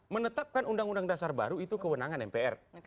menetapkan undang undang dasar baru itu kewenangan mpr